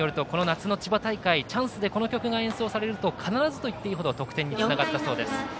部員たちによると夏の千葉大会チャンスでこの曲が演奏されると必ずといっていいほど得点につながったそうです。